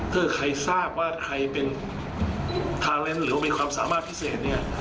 ถ้าใครทราบว่าใครเป็นทาเลนส์หรือว่ามีความสามารถพิเศษเนี่ย